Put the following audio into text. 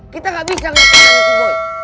kita gak bisa ngasih keadaan nessie boy